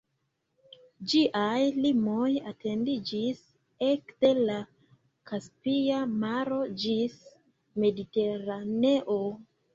Ĝiaj limoj etendiĝis ekde la Kaspia Maro ĝis Mediteraneo.